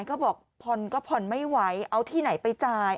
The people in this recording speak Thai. ก็บอกผ่อนไม่ไหวเอาที่ไหนไปจ่าย